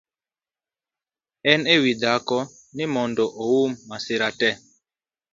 En e wii dhako ni mondo oum masira tee